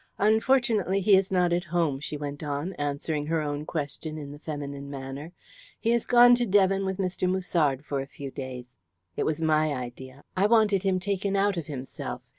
"Unfortunately he is not at home," she went on, answering her own question in the feminine manner. "He has gone to Devon with Mr. Musard for a few days. It was my idea. I wanted him taken out of himself.